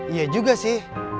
iya juga sih